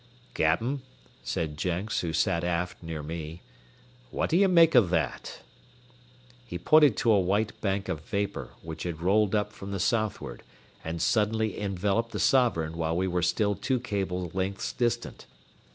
"Cap'n," said Jenks, who sat aft near me, "what d'ye make o' that?" He pointed to a white bank of vapor which had rolled up from the southward, and suddenly enveloped the Sovereign while we were still two cable lengths distant.